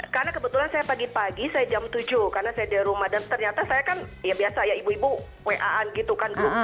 karena kebetulan saya pagi pagi saya jam tujuh karena saya di rumah dan ternyata saya kan ya biasa ya ibu ibu wa an gitu kan